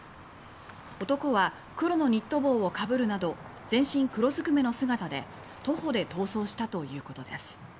男は黒のニット帽をかぶるなど全身黒ずくめの姿で徒歩で逃走したということです。